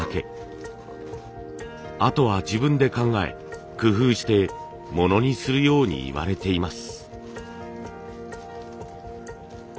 あとは自分で考え工夫してものにするように言われています。